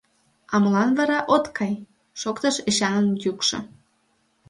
— А молан вара от кай? — шоктыш Эчанын йӱкшӧ.